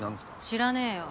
知らねぇよ。